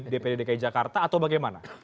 dpd dki jakarta atau bagaimana